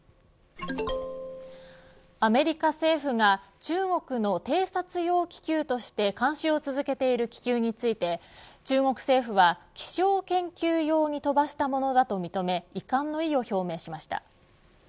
アメリカ政府が中国の偵察用気球として監視を続けている気球について中国政府は、気象研究用に飛ばしたものだと認め遺憾の意を表明しました。